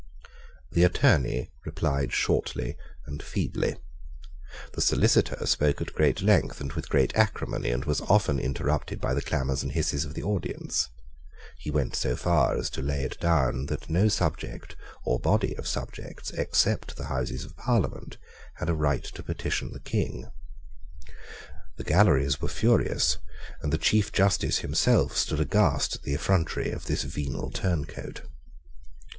The Attorney replied shortly and feebly. The Solicitor spoke at great length and with great acrimony, and was often interrupted by the clamours and hisses of the audience. He went so far as to lay it down that no subject or body of subjects, except the Houses of Parliament, had a right to petition the King. The galleries were furious; and the Chief justice himself stood aghast at the effrontery of this venal turncoat.